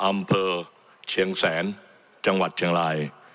อำเภอเชียงแสนจังหวัดเชียงราย